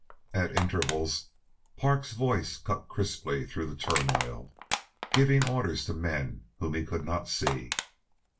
At intervals Park's voice cut crisply through the turmoil, giving orders to men whom he could not see.